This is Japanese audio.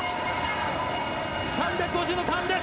３５０のターンです。